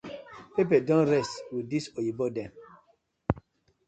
Pepper don rest wit dis oyibo dem.